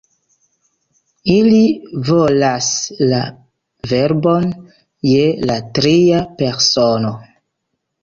Ili volas la verbon je la tria persono.